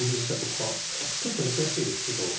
ちょっとね悔しいですけど。